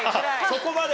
そこまで？